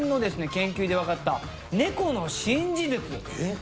研究で分かった猫の新事実えっ？